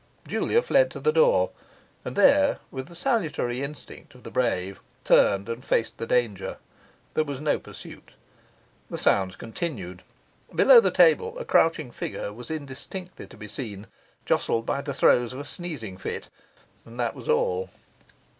Julia fled to the door, and there, with the salutary instinct of the brave, turned and faced the danger. There was no pursuit. The sounds continued; below the table a crouching figure was indistinctly to be seen jostled by the throes of a sneezing fit; and that was all.